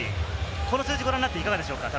この数字、ご覧になって、いかがですか？